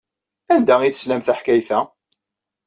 Anda ay teslam taḥkayt-a?